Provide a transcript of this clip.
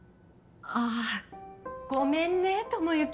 ああごめんね智之